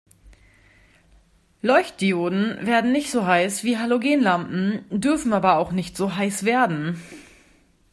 Leuchtdioden werden nicht so heiß wie Halogenlampen, dürfen aber auch nicht so heiß werden.